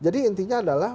jadi intinya adalah